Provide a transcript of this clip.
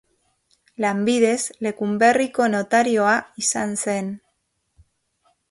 Lanbidez, Lekunberriko notarioa izan zen.